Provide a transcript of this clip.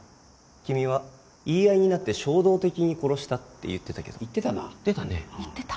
君は言い合いになって衝動的に殺したって言ってたけど言ってたな言ってたね